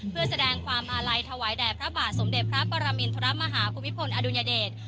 เพื่อแสดงความอาลัยถวายแด่พระบาทสมเด็จพระปรมินทรมาฮาภูมิพลอดุญเดช